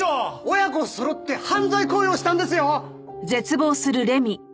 親子そろって犯罪行為をしたんですよ！